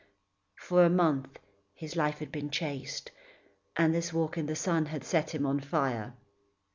For a month his life had been chaste and this walk in the sun had set him on fire.